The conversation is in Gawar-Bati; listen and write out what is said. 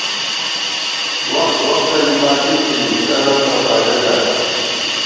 وخت وختَنی باتی تھنی ، کرہ تہ فائدہ گاتہ